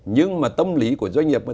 nhưng mà tâm lý của doanh nghiệp